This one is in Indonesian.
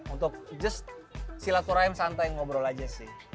untuk just silaturahim santai ngobrol aja sih